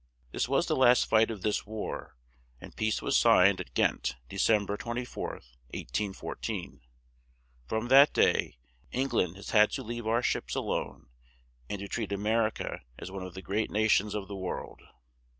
This was the last fight of this war, and peace was signed at Ghent, De cem ber 24th, 1814. From that day Eng land has had to leave our ships a lone and to treat A mer i ca as one of the great nations of the world.